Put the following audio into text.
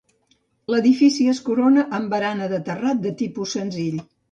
L'edifici es corona amb barana de terrat de tipus senzill.